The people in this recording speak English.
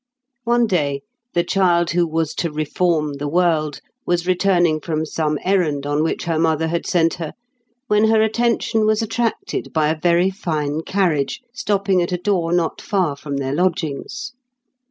One day the child who was to reform the world was returning from some errand on which her mother had sent her, when her attention was attracted by a very fine carriage, stopping at a door not far from their lodgings.